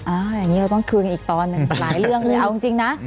อย่างนี้เราต้องคืนกันอีกตอนหนึ่งหลายเรื่องเลยเอาจริงนะ